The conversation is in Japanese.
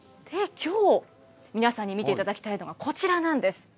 きょう、皆さんに見ていただきたいのが、こちらなんです。